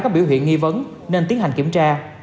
có biểu hiện nghi vấn nên tiến hành kiểm tra